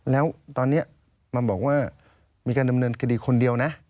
แล้วตอนนี้มาบอกว่ามีการดำเนินคดีคนเดียวนะ